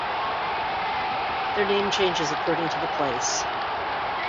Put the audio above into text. Their name changes according to the place.